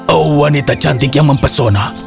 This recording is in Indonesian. oh wanita cantik yang mempesona